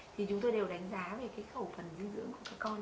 thì chúng tôi đều đánh giá về khẩu phần dinh dưỡng của con